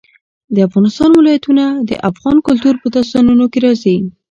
د افغانستان ولايتونه د افغان کلتور په داستانونو کې راځي.